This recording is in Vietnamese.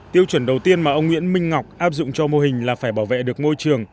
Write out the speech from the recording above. tiêu chuẩn đầu tiên mà ông nguyễn minh ngọc áp dụng cho mô hình là phải bảo vệ được môi trường